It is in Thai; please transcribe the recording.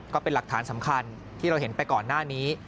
ก็เป็นหลักฐานสำคัญที่เราเห็นไปก่อนหน้านี้